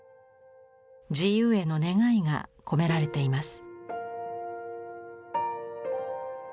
自由への願いが込められています。